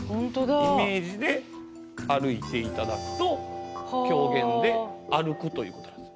イメージで歩いていただくと狂言で歩くということなんです。